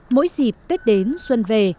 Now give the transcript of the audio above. mỗi dịp tết đến xuân về